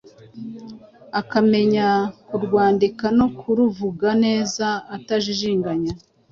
akamenya kurwandika no kuruvuga neza atajijinganya,